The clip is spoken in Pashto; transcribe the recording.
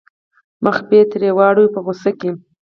مخ به یې ترې واړاوه په غوسه کې.